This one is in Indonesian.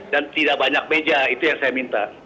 dan tidak banyak meja itu yang saya minta